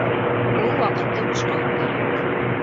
Ул ваҡытты бушҡа үткәрә